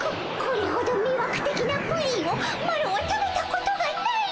これほどみわくてきなプリンをマロは食べたことがない！